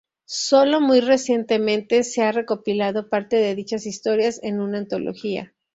Sólo muy recientemente se ha recopilado parte de dichas historias en una antología.